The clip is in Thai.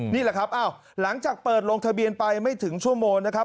นี่แหละครับหลังจากเปิดลงทะเบียนไปไม่ถึงชั่วโมงนะครับ